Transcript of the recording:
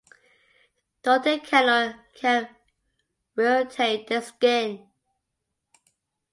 Dodecanol can irritate the skin.